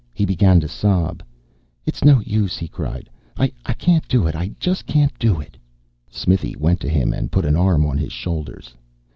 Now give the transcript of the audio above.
He began to sob. "It's no use!" he cried. "I can't do it. I just can't do it ..." Smithy went to him and put an arm on his shoulders.